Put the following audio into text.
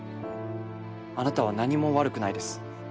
あなたは何も悪くないです。